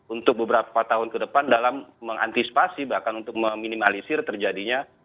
untuk beberapa tahun ke depan dalam mengantisipasi bahkan untuk meminimalisir terjadinya